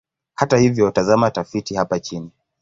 Hata hivyo, tazama tafiti hapa chini.